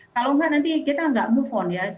kalau enggak nanti kita tidak bergerak ke depan